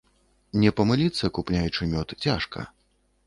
Не памыліцца, купляючы мёд, цяжка.